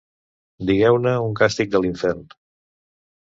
Digueu-ne un castic de l'infern…